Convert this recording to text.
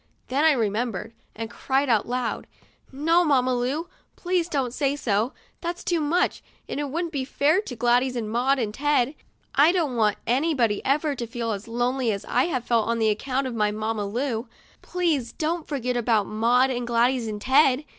Then I remembered, and I cried out loud: " No, Mamma Lu, please don't say so ! That's too much, and it would'nt be fair to Gladys and Maud and Ted. I don't want anybody ever to feel as lonely as I have felt on account of my Mamma Lu. Please don't forget about Maud and Gladys and Ted."